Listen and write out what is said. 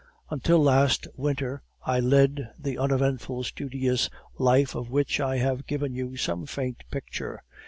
"Until last winter I led the uneventful studious life of which I have given you some faint picture.